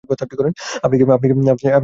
আপনি কি তাকে দেখতে পাচ্ছেন?